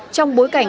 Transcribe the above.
trong bối cảnh